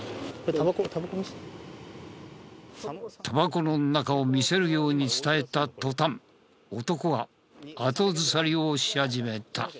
タバコの中を見せるように伝えた途端男は後ずさりをし始めた。